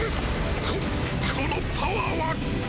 ここのパワーは！